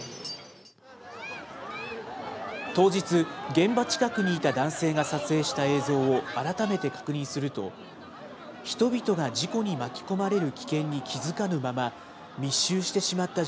当日、現場近くにいた男性が撮影した映像を改めて確認すると、人々が事故に巻き込まれる危険に気付かぬまま、密集してしまった